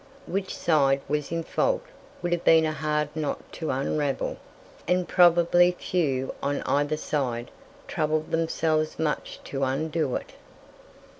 Which side was in fault would have been a hard knot to unravel, and probably few on either side troubled themselves much to undo it.